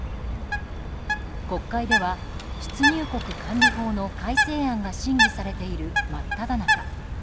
国会では出入国管理法の改正案が審議されている真っただ中。